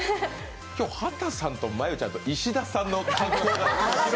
今日、畑さんと真悠ちゃんと石田さんの格好が。